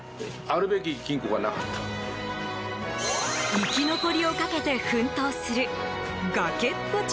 生き残りをかけて奮闘する崖っぷち